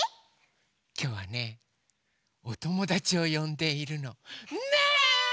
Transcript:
きょうはねおともだちをよんでいるの。ねえ！